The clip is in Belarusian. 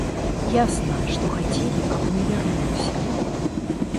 Ясна, што хацелі, каб не вярнуўся.